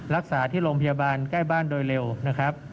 รักษาที่โรงพยาบาลใกล้บ้านโดยเร็วนะครับ